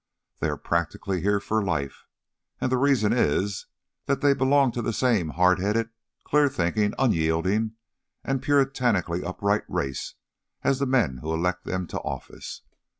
They practically are here for life; and the reason is that they belong to the same hard headed, clear thinking, unyielding, and puritanically upright race as the men who elect them to office.